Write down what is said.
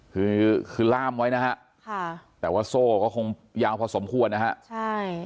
คือคือล่ามไว้นะฮะค่ะแต่ว่าโซ่ก็คงยาวพอสมควรนะฮะใช่